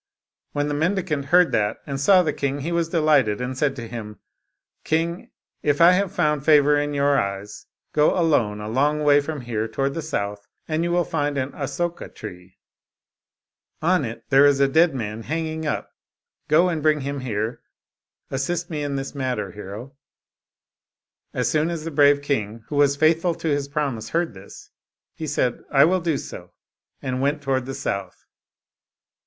" When the mendicant heard that, and saw the king, he was delighted, and said to him, "King, if I have found favor in your eyes, go alone a long way from here toward the south, and you will find an asoka tree. On it there is a dead man hanging up ; go and bring him here ; assist me in this matter, hero." As soon as the brave king, who was faithful to his promise, heard this, he said, " I will do so," and went toward the south.